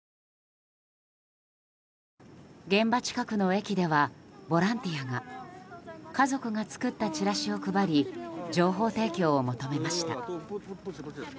現場近くの駅ではボランティアが家族が作ったチラシを配り情報提供を求めました。